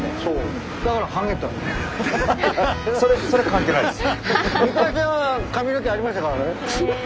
それ関係ないです。